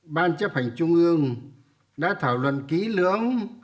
ban chấp hành trung ương đã thảo luận ký lưỡng